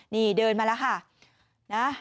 นี่เดินมาแล้วค่ะนะ